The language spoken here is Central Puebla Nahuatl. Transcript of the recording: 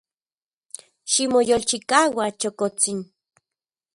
Ximoyolchikaua, chokotsin.